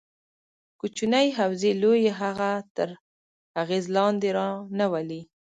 کوچنۍ حوزې لویې هغه تر اغېز لاندې رانه ولي.